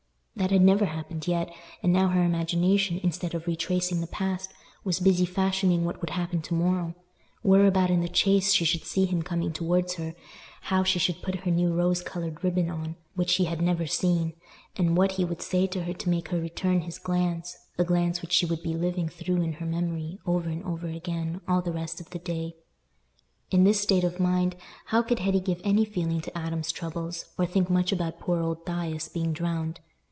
That had never happened yet; and now her imagination, instead of retracing the past, was busy fashioning what would happen to morrow—whereabout in the Chase she should see him coming towards her, how she should put her new rose coloured ribbon on, which he had never seen, and what he would say to her to make her return his glance—a glance which she would be living through in her memory, over and over again, all the rest of the day. In this state of mind, how could Hetty give any feeling to Adam's troubles, or think much about poor old Thias being drowned?